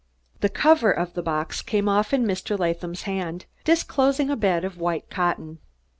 The cover of the box came off in Mr. Latham's hand, disclosing a bed of white cotton.